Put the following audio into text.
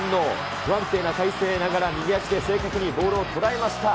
不安定な体勢ながら、右足で正確にボールを捉えました。